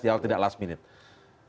di awal tidak last minute